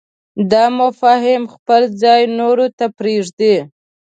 دا مفاهیم خپل ځای نورو ته پرېږدي.